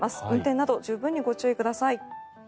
運転など十分にご注意ください。